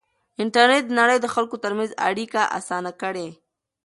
انټرنېټ د نړۍ د خلکو ترمنځ اړیکه اسانه کړې.